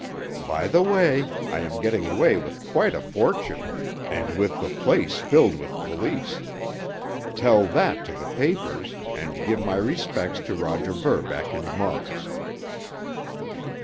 By the way, I am getting away with quite a fortune, and with the place filled with police. Tell that to the papers, and give my respects to Roger Verbeck and Muggs.